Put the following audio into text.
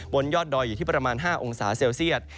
บนยอดดอยอยู่ที่ประมาณ๕องศาเซลเซียต